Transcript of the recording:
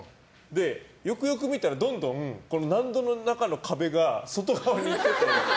で、よくよく見たらどんどん納戸の中の壁が外側に行ってて。